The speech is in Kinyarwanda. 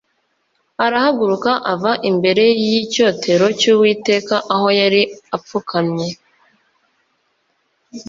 arahaguruka ava imbere y’icyotero cy’Uwiteka aho yari apfukamye